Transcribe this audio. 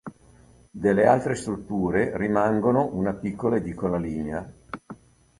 Delle altre strutture rimangono una piccola edicola lignea.